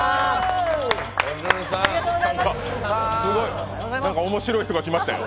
すごい、何か、面白い人が来ましたよ。